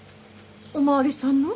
お巡りさんの？